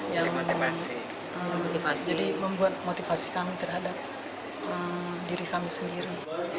jadi membuat motivasi kami terhadap diri kami sendiri